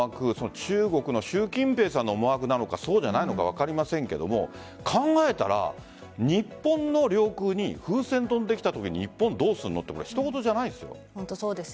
中国の習近平さんの思惑なのかそうじゃないのか分かりませんが考えたら日本の領空に風船が飛んできたとき日本はどうするのって人ごとじゃないでしょ。